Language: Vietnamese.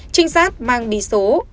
trinh sát mang bì số một nghìn hai mươi hai